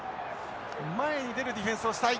前に出るディフェンスをしたい。